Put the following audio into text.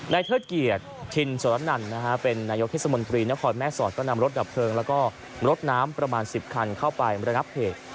เทิดเกียรติชินสรนันเป็นนายกเทศมนตรีนครแม่สอดก็นำรถดับเพลิงแล้วก็รถน้ำประมาณ๑๐คันเข้าไประงับเหตุ